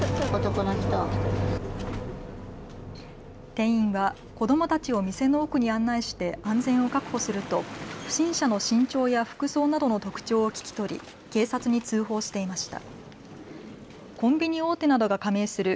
店員は子どもたちを店の奥に案内して安全を確保すると不審者の身長や服装などの特徴を聞き取り警察に通報していました。